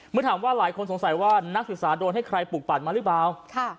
เมื่อถามว่าหลายคนสงสัยว่านักศึกษาโดนให้ใครปลูกปั่นมาหรือเปล่า